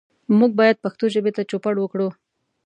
موږ باید پښتو ژبې ته چوپړ وکړو.